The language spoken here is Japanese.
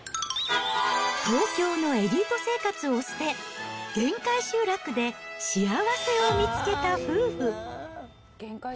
東京のエリート生活を捨て、限界集落で幸せを見つけた夫婦。